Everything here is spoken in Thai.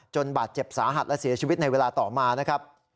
บาดเจ็บสาหัสและเสียชีวิตในเวลาต่อมานะครับ